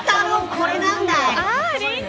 これなんだよ。